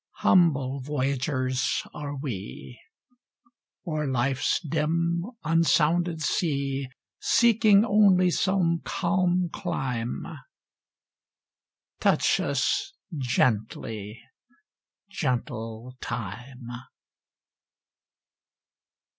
Humble voyagers are we, O'er life's dim unsounded sea, Seeking only some calm clime; Touch us gently, gentle Time!